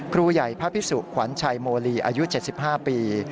ครูใหญ่พระพิสุขวัญชัยโมลีอายุ๗๕ปี